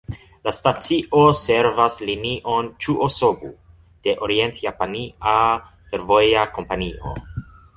La stacio servas Linion Ĉuo-Sobu de Orient-Japania Fervoja Kompanio.